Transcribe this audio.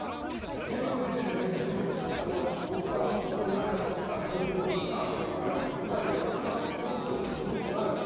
今、吹いててね、全部、音の長さとか、タンギングとか、それから歌い方とか、そろってるかって、そろってないもん。